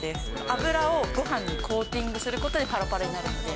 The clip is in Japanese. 油をごはんにコーティングすることでパラパラになるので。